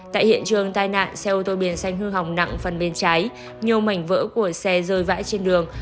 tại hiện trường tai nạn xe ô tô biển xanh hư hỏng nặng phần bên trái nhiều mảnh vỡ của xe rơi vãi trên đường